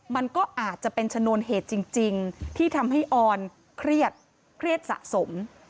มันก็อาจจะเป็นชนวนเหตุจริงที่ทำให้ออนเครียดเครียดสะสม